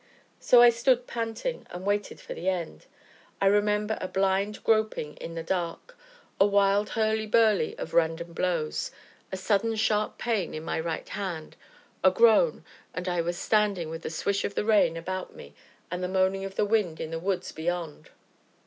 So I stood, panting, and waited for the end. I remember a blind groping in the dark, a wild hurly burly of random blows, a sudden sharp pain in my right hand a groan, and I was standing with the swish of the rain about me, and the moaning of the wind in the woods beyond.